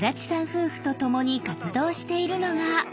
夫婦と共に活動しているのが。